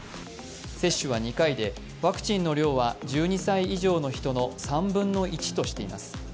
接種は２回で、ワクチンの量は１２歳以上の人の３分の１としています。